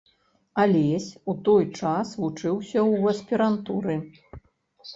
Алесь у той час вучыўся ў аспірантуры.